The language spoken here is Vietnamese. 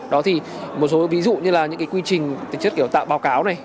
đó thì một số ví dụ như là những cái quy trình tính chất kiểu tạo báo cáo này